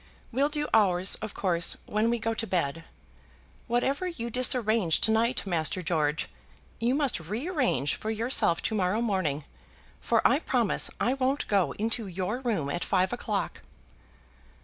We'll do ours, of course, when we go up to bed. Whatever you disarrange to night, Master George, you must rearrange for yourself to morrow morning, for I promise I won't go into your room at five o'clock."